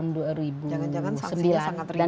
jangan jangan sangat ringan